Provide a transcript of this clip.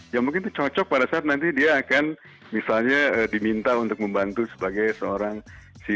ya mungkin itu cocok pada saat nanti dia akan misalnya diminta untuk membantu sebagai seorang